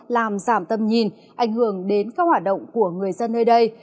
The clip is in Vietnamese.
làm giảm tâm nhìn ảnh hưởng đến các hoạt động của người dân nơi đây